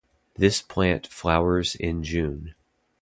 This plant flowers in June.